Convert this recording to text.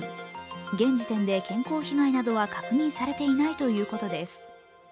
現時点で健康被害などは確認されていないということです。